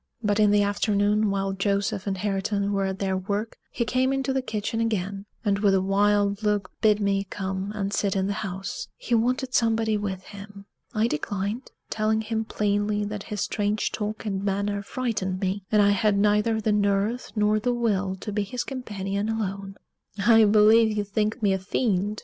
But in the afternoon, while Joseph and Hareton were at their work, he came into the kitchen again, and with a wild look bid me come and sit in the house he wanted somebody with him. I declined, telling him plainly that his strange talk and manner frightened me, and I had neither the nerve nor the will to be his companion alone. "I believe you think me a fiend!"